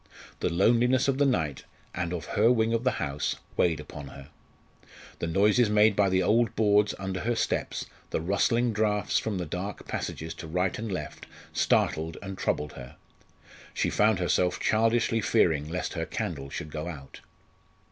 The loneliness of the night, and of her wing of the house, weighed upon her; the noises made by the old boards under her steps, the rustling draughts from the dark passages to right and left startled and troubled her; she found herself childishly fearing lest her candle should go out.